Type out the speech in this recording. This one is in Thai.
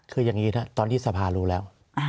คืออย่างนี้นะตอนที่สภารู้แล้ว